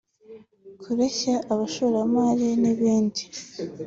kureshya abashoramari n’ibindi